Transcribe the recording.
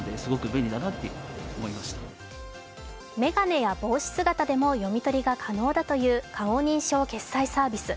眼鏡や帽子姿でも読み取りが可能だという顔認証決済サービス。